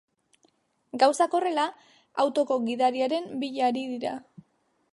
Gauzak horrela, autoko gidariaren bila ari dira.